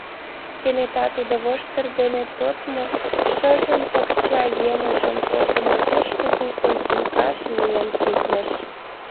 Кенета тудо воштыр дене тодмо, шыжым пакча емыжым погымо пеш кугу корзинкаш миен тӱкныш.